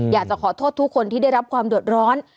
อยากจะขอโทษทุกคนที่ได้รับความเดือดร้อน